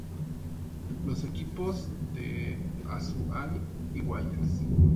Los equipos de Azuay y Guayas.